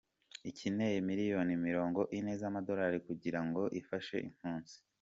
ikeneye miliyoni Mirongo Ine z’Amadolari kugira ngo ifashe impunzi